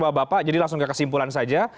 bapak bapak jadi langsung ke kesimpulan saja